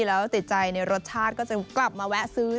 แล้วติดใจในรสชาติก็จะกลับมาแวะซื้อ